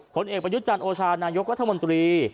ผลเอกประยุทธ์จันทร์โอชานายกรัฐมนตรี